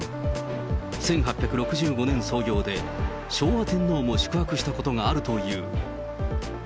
１８６５年創業で、昭和天皇も宿泊したことがあるという。